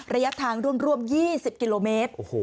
ระยะทางร่วม๒๐กิโลเมตร